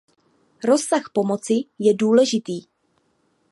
Rozsah pomoci je důležitý.